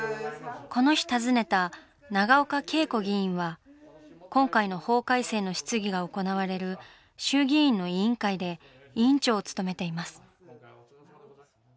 この日訪ねた永岡桂子議員は今回の法改正の質疑が行われる衆議院の委員会で委員長を務めています。